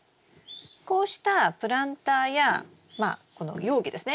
こうしたプランターやまあこの容器ですね